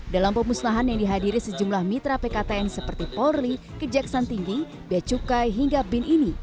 dalam pemusnahan yang dihadiri sejumlah mitra pktn seperti porli kejaksan tinggi becukai hingga binini